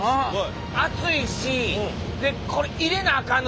熱いしでこれ入れなあかんのでしょ？